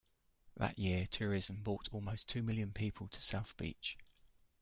That year, tourism brought almost two million people to South Beach.